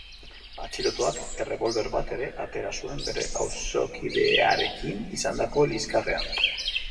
Atxilotuak errebolber bat ere atera zuen bere auzokidearekin izandako liskarrean.